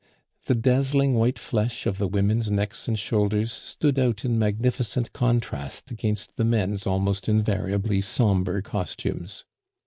The dazzling white flesh of the women's necks and shoulders stood out in magnificent contrast against the men's almost invariably sombre costumes.